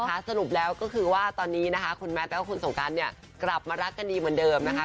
สรุปแล้วก็คือว่าตอนนี้นะคะคุณแมทแล้วก็คุณสงการเนี่ยกลับมารักกันดีเหมือนเดิมนะคะ